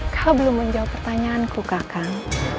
kau belum menjawab pertanyaanku kakak